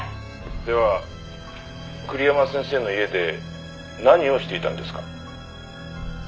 「では栗山先生の家で何をしていたんですか？」